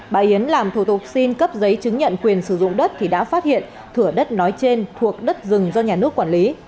bà yến làm thủ tục xin cấp giấy chứng nhận quyền sử dụng đất thì đã phát hiện thửa đất nói trên thuộc đất rừng do nhà nước quản lý